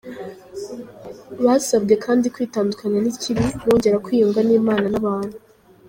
Basabwe kandi kwitandukanya n’ikibi, bongera kwiyunga n’Imana n’abantu.